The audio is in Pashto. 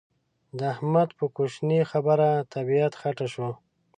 د احمد په کوشنۍ خبره طبيعت خټه شو.